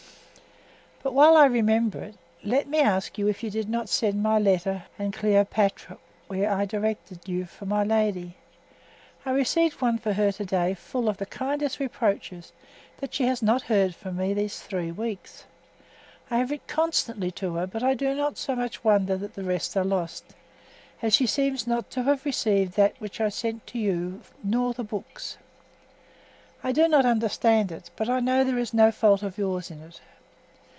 But while I remember it, let me ask you if you did not send my letter and Cléopâtre where I directed you for my lady? I received one from her to day full of the kindest reproaches, that she has not heard from me this three weeks. I have writ constantly to her, but I do not so much wonder that the rest are lost, as that she seems not to have received that which I sent to you nor the books. I do not understand it, but I know there is no fault of yours in't.